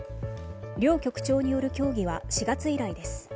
両局長による協議は４月以来です。